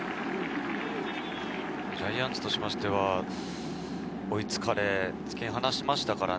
ジャイアンツとしては追いつかれ突き放しましたからね。